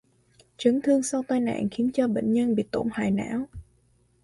Trấn thương sau tai nạn khiến cho bệnh nhân bị tổn hại não